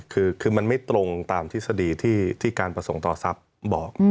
คือมันไม่ตรงตามทฤษฎีที่การประสงค์ต่อทรัพย์บอก